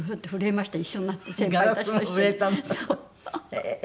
へえ。